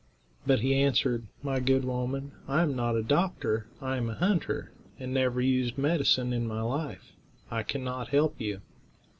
But he answered: "My good woman, I am not a doctor, I am a hunter, and never used medicine in my life. I can not help you."